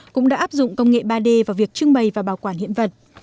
cũng đã áp dụng công nghệ ba d vào việc trưng bày và bảo quản hiện vật